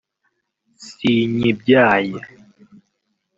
“sinyibyaye